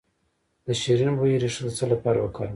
د شیرین بویې ریښه د څه لپاره وکاروم؟